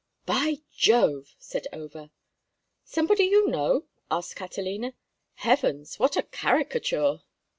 "By Jove!" said Over. "Somebody you know?" asked Catalina. "Heavens, what a caricature!"